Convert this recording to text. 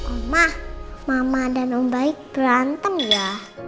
emak mama dan om baik berantem ya